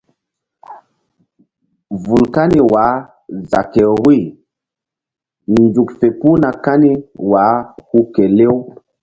Vul kani wah za ke vbuyzuk fe puhna kani wah hu kelew.